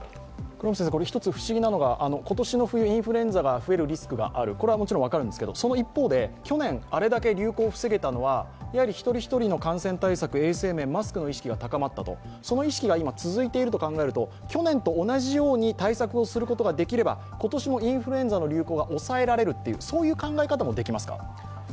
不思議なのが、今年の冬、インフルエンザが増えるリスクがある、これはもちろん分かるんですけど、その一方で、去年、あれだけ流行を防げたのはやはり一人一人の感染対策、衛生面、マスクの意識が高まったその意識が今、続いていると考えると去年と同じように対策をすることができれば、今年もインフルエンザの流行が抑えられるという考え方もできますか？